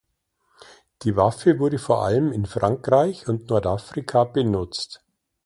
Die Waffe wurde vor allem in Frankreich und Nordafrika benutzt.